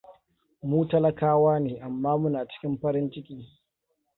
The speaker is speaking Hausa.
Mu talakawa ne, amma muna cikin farin ciki.